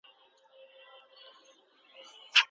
که د خواږه پلورنځي مچان کنټرول کړي، نو ناروغۍ نه لیږدول کیږي.